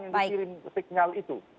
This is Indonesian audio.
yang dikirim signal itu